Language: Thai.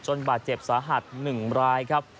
จนบาดเจ็บสาหัสหนึ่งรายครับ